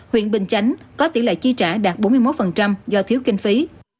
huyện bình chánh có tỷ lệ chi trả đạt bốn mươi một do thiếu kinh phí